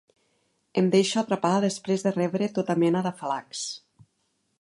Em deixo atrapar després de rebre tota mena d'afalacs.